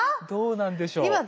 どうなんでしょう？